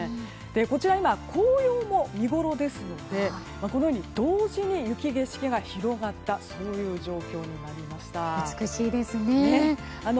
こちら今、紅葉も見ごろですので同時に雪景色が広がったという状況になりました。